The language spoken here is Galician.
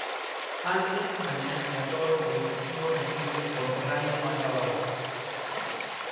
Antes, mañá en Riazor, o Deportivo recibe o Raio Majadahonda.